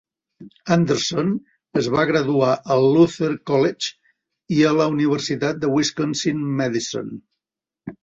Anderson es va graduar al Luther College i a la Universitat de Wisconsin-Madison.